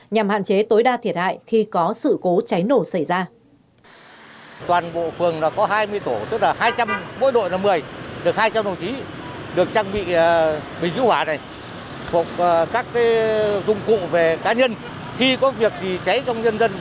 nhằm hạn chế tối đa thiệt hại khi có sự cố cháy nổ xảy ra